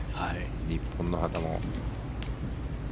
日本の旗も。